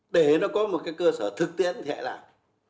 để nó có một cái cơ sở thực tiễn thì hãy làm